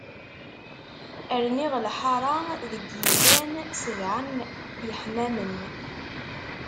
Rniɣ lḥara, deg illan sebɛa n yeḥmam.